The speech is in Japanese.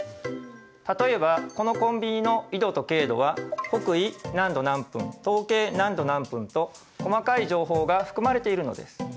例えばこのコンビニの経度と緯度は北緯何度何分東経何度何分と細かい情報が含まれているのです。